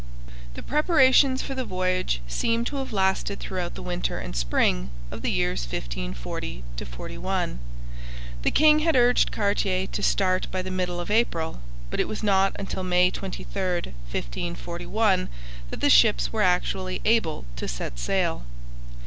The preparations for the voyage seem to have lasted throughout the winter and spring of the years 1540 41. The king had urged Cartier to start by the middle of April, but it was not until May 23, 1541, that the ships were actually able to set sail.